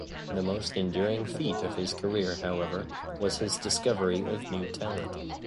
The most enduring feat of his career, however, was his discovery of new talent.